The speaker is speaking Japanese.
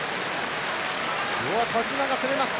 田嶋が攻めます。